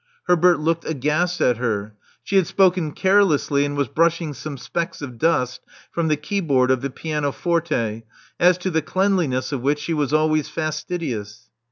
Herbert looked aghast at her. She had spoken care lessly, and was brushing some specks of dust from the keyboard of the pianoforte, as to the cleanliness of which she was always fastidious.